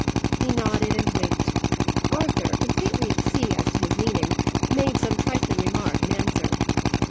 He nodded and winked. Arthur, completely at sea as to his meaning, made some trifling remark in answer.